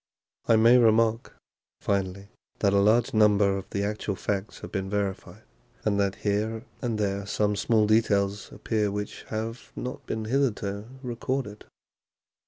I may remark, finally, that a large number of the actual facts have been verified, and that here and there some small details appear which have not been hitherto recorded.